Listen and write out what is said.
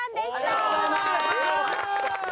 ありがとうございます。